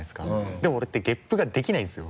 でも俺ってゲップができないんですよ。